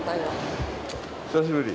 久しぶり。